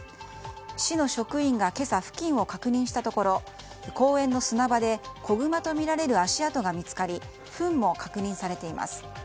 市の職員が今朝付近を確認したところ公園の砂場で子グマとみられる足跡が見つかりふんも確認されています。